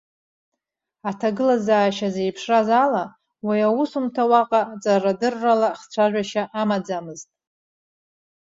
Аҭагылазаашьа зеиԥшраз ала, уи аусумҭа уаҟа ҵара-дыррала хцәажәашьа амаӡамызт.